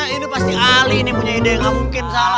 ini pasti ali ini punya ide yang gak mungkin salah